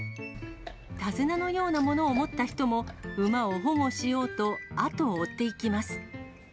手綱のようなものを持った人も、馬を保護しようと、後を追っていきます。